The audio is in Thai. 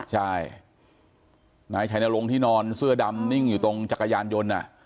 ใช่นายชัยนรงค์ที่นอนเสื้อดำนิ่งอยู่ตรงจักรยานยนต์